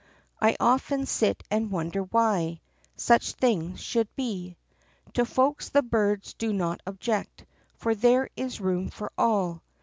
I often sit and wonder why Such things should be. To folks the birds do not object , Tor there is room for all.